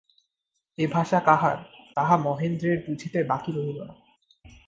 এ ভাষা কাহার, তাহা মহেন্দ্রের বুঝিতে বাকি রহিল না।